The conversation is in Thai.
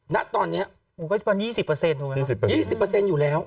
ณตอนนี้วันนี้๒๐เปอร์เซ็นต์ถูกไหมคะ๒๐เปอร์เซ็นต์อยู่แล้ว